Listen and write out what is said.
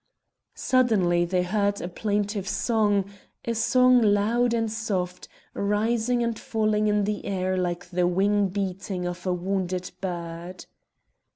Suddenly they heard a plaintive song, a song loud and soft, rising and falling in the air like the wing beating of a wounded bird.